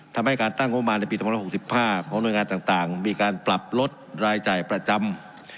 ทำให้การตั้งงบประมาณในปี๒๖๕ของหน่วยงานต่างมีการปรับลดรายจ่ายประจำ